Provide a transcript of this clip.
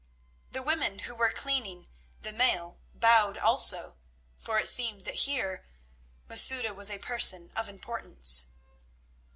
The women who were cleaning the mail bowed also, for it seemed that here Masouda was a person of importance.